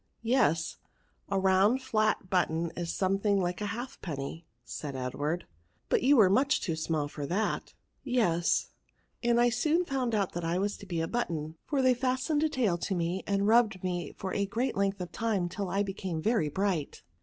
'^ Yes; a round flat button is some thing like a halfpenny," said Edward ;but you were much too small for that. *^ Yes ; and I soon found that I W€ts to be a button, for they fastened a tail to me, and rubbed me for a great length of time till I became very bright.